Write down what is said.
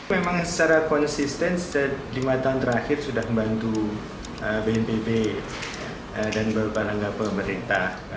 memang secara konsisten lima tahun terakhir sudah membantu bnpb dan beberapa negara pemerintah